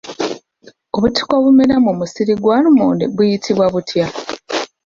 Obutiko obumera mu musiri gwa lumonde buyitibwa butya?